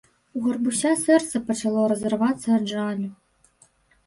У Габруся сэрца пачало разрывацца ад жалю...